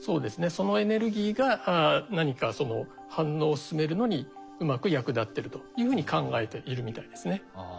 そのエネルギーが何か反応を進めるのにうまく役立ってるというふうに考えているみたいですね。